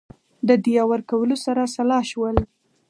د دیه ورکولو سره سلا شول.